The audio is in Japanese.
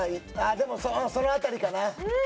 でもその辺りかな。